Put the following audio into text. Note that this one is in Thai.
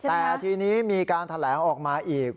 แต่ทีนี้มีการแถลงออกมาอีก